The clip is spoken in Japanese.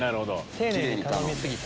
丁寧に頼み過ぎた？